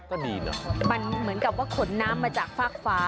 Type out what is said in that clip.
ก็ดีนะมันเหมือนกับว่าขนน้ำมาจากฟากฟ้า